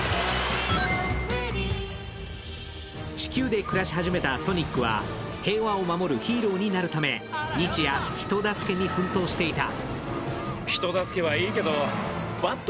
地球で暮らし始めたソニックは平和を守るヒーローになるため、日夜、人助けに奮闘していた。